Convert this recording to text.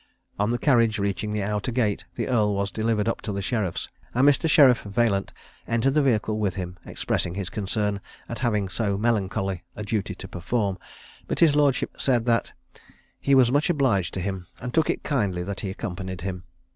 On the carriage reaching the outer gate, the earl was delivered up to the sheriffs, and Mr. Sheriff Vaillant entered the vehicle with him, expressing his concern at having so melancholy a duty to perform; but his lordship said "he was much obliged to him, and took it kindly that he accompanied him."